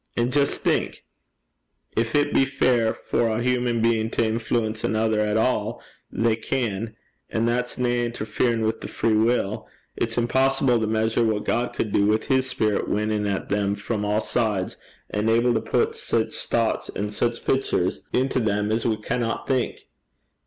An' jist think, gin it be fair for ae human being to influence anither a' 'at they can, and that's nae interferin' wi' their free wull it's impossible to measure what God cud do wi' his speerit winnin' at them frae a' sides, and able to put sic thouchts an' sic pictures into them as we canna think.